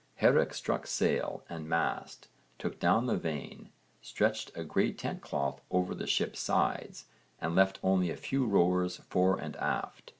Hárek struck sail and mast, took down the vane, stretched a grey tent cloth over the ship's sides, and left only a few rowers fore and aft.